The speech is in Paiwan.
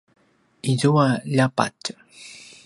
izua ljabatj